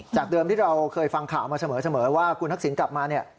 เดิมที่เราเคยฟังข่าวมาเสมอว่าคุณทักษิณกลับมาเนี่ย